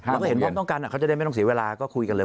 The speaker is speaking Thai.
แล้วก็เห็นว่าต้องการเขาจะได้ไม่ต้องเสียเวลาก็คุยกันเลย